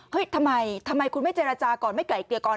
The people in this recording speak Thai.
ทำไมทำไมคุณไม่เจรจาก่อนไม่ไกลเกลียก่อน